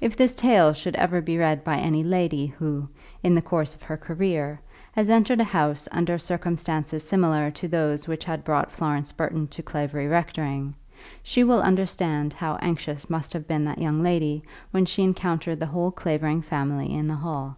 If this tale should ever be read by any lady who, in the course of her career, has entered a house under circumstances similar to those which had brought Florence Burton to Clavering rectory, she will understand how anxious must have been that young lady when she encountered the whole Clavering family in the hall.